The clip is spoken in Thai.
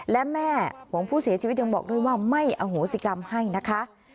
และแม่ของผู้เสียชีวิตยังบอกด้วยว่าไม่อโหสิกรรมให้นะคะ